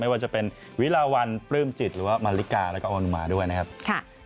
ว่าจะเป็นวิลาวันปลื้มจิตหรือว่ามาริกาแล้วก็ออนุมาด้วยนะครับ